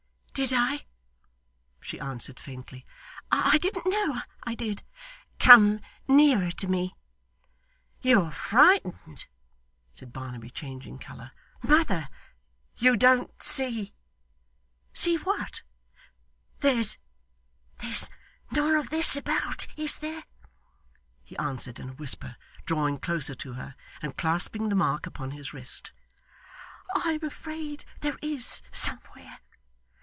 'Did I?' she answered faintly. 'I didn't know I did. Come nearer me.' 'You are frightened!' said Barnaby, changing colour. 'Mother you don't see' 'See what?' 'There's there's none of this about, is there?' he answered in a whisper, drawing closer to her and clasping the mark upon his wrist. 'I am afraid there is, somewhere.